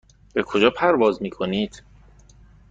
به کجا پرواز میکنید؟